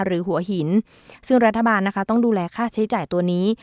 หัวหินซึ่งรัฐบาลนะคะต้องดูแลค่าใช้จ่ายตัวนี้